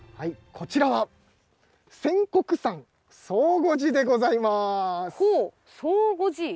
こちらは扇谷山宗悟寺でございます。